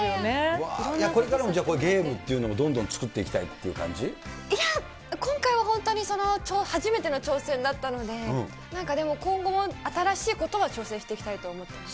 これからもこういうゲームっていうのを、どんどん作っていきたいいや、今回は本当に、初めての挑戦だったので、なんかでも、今後も新しいことは挑戦していきたいと思ってます。